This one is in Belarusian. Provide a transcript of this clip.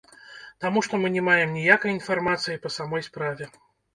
Таму што мы не маем ніякай інфармацыі па самой справе.